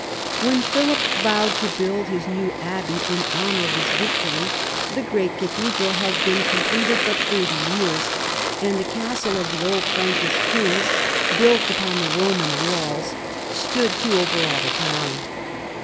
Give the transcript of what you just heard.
When Philip vowed to build his new abbey in honour of his victory the great cathedral had been completed but thirty years, and the castle of the old Frankish kings, built upon the Eoman walls, stood to overawe the town.